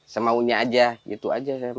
semaunya aja gitu aja